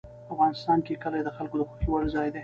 افغانستان کې کلي د خلکو د خوښې وړ ځای دی.